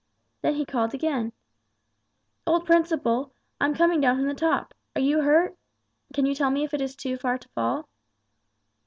Then he called again, "Old Principle, I'm coming down from the top. Are you hurt? Can you tell me if it is far to fall?"